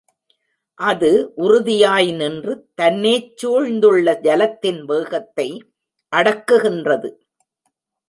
அது உறுதியாய் நின்று தன்னேச் சூழ்ந்துள்ள ஜலத்தின் வேகத்தை அடக்குகின்றது.